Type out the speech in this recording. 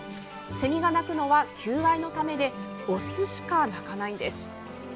セミが鳴くのは求愛のためでオスしか鳴かないんです。